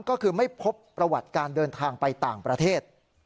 ก็คือไม่พบประวัติการเดินทางไปต่างประเทศ